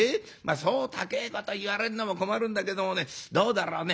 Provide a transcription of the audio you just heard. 「そう高えこと言われんのも困るんだけどもねどうだろうね？